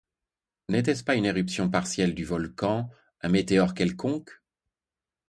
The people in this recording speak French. N’était-ce pas une éruption partielle du volcan, un météore quelconque?